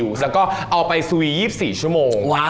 แล้วก็เอาไปซุย๒๔ชั่วโมง